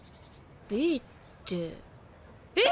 Ｂってえ！